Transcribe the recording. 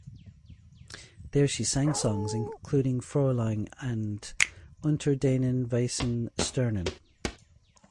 There she sang songs including "Frühling" and "Unter deinen weissen Sternen".